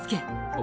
お。